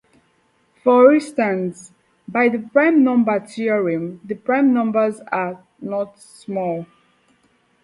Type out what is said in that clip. For instance, by the prime number theorem, the prime numbers are not small.